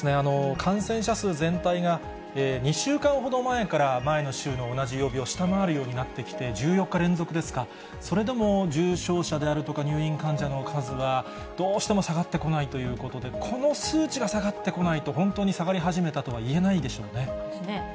感染者数全体が２週間ほど前から前の週の同じ曜日を下回るようになってきて、１４日連続ですか、それでも重症者であるとか、入院患者の数はどうしても下がってこないということで、この数値が下がってこないと、本当に下がり始めたとは言えないでしょうね。